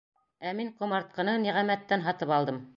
Ә мин ҡомартҡыны Ниғәмәттән һатып алдым!